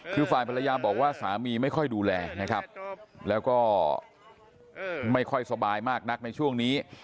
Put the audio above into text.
คือฝ่ายภรรยาบอกว่าสามีไม่ค่อยดูแลนะครับแล้วก็ไม่ค่อยสบายมากนักในช่วงนี้